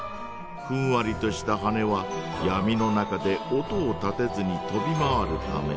ふんわりとしたはねはやみの中で音を立てずに飛び回るため。